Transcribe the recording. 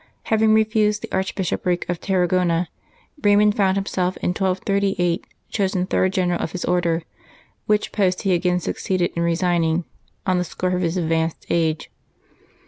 Having refused the archbishopric of Tarragona, Eaymund found himself in 1238 chosen third General of his Order; which post he again succeeded in resigning, on the score of his advanced age.